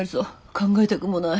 考えたくもない。